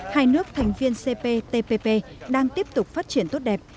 hai nước thành viên cptpp đang tiếp tục phát triển tốt đẹp